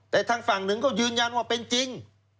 แต่ทางฝั่งหนึ่งก็ยืนยันว่าเป็นจริง